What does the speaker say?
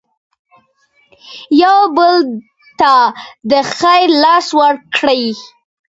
یو بل ته د خیر لاس ورکړئ.